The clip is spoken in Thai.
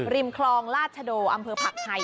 ริมครองลาชโดอำเฟิร์นผักไถ่